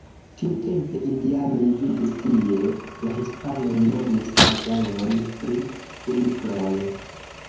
Tiutempe indianoj vivis tie, la hispanoj nomis la valon pri kunikloj.